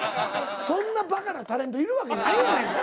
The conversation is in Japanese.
そんなバカなタレントいるわけないやないか。